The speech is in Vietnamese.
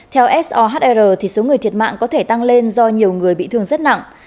theo sohr số người thiệt mạng có thể tăng lên do nhiều người bị thương rất nặng